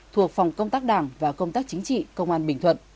thuộc phòng công tác đảng và công tác chính trị công an bình thuận